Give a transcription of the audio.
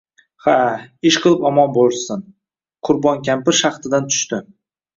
— Ha, ishqilib omon boʼlishsin… — Qurbon kampir shahdidan tushdi.